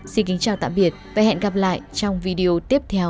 xin kính chào tạm biệt và hẹn gặp lại trong video tiếp theo